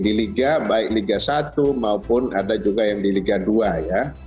di liga baik liga satu maupun ada juga yang di liga dua ya